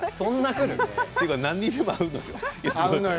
何にでも合うのよ。